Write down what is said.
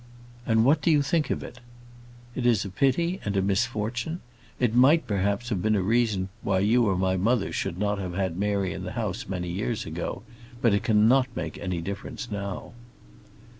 "And what do you think of it?" "It is a pity, and a misfortune. It might, perhaps, have been a reason why you or my mother should not have had Mary in the house many years ago; but it cannot make any difference now."